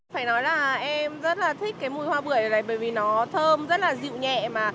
phải nói là em rất là thích cái mùi hoa bưởi này bởi vì nó thơm rất là dịu nhẹ mà